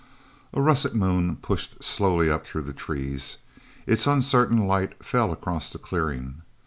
A russet moon pushed slowly up through the trees. Its uncertain light fell across the clearing.